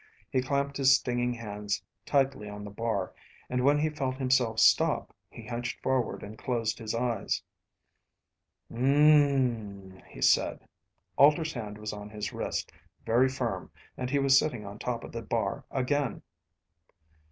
He clamped his stinging hands tightly on the bar, and when he felt himself stop, he hunched forward and closed his eyes. "Mmmmmmmmmm," he said. Alter's hand was on his wrist, very firm, and he was sitting on top of the bar again.